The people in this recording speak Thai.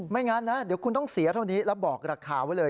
งั้นนะเดี๋ยวคุณต้องเสียเท่านี้แล้วบอกราคาไว้เลย